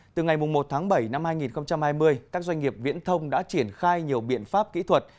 từ ngày một tháng bảy năm hai nghìn hai mươi các doanh nghiệp viễn thông đã triển khai nhiều biện pháp kỹ thuật